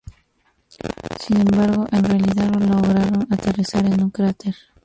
Sin embargo, en realidad, lograron aterrizar en un cráter.